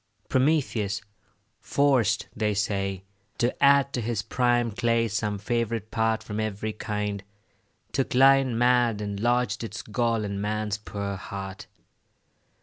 Prometheus, forced, they say, to add To his prime clay some favourite part From every kind, took lion mad, And lodged its gall in man's poor heart.